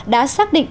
đã xác định